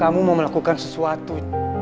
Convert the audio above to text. kamu mau melakukan sesuatu